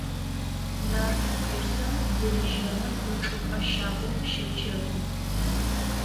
Нарт десэм дэлэжьэным ычӀыпӀэ щагум щэджэгу.